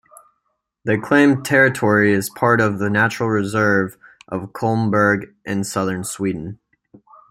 The claimed territory is part of the natural reserve of Kullaberg in southern Sweden.